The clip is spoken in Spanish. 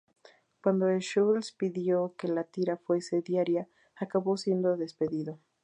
Cuando Schulz pidió que la tira fuese diaria, acabó siendo despedido.